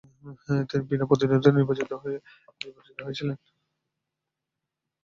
তিনি বিনা প্রতিদ্বন্দ্বিতায় নির্বাচিত হয়েছিলেন।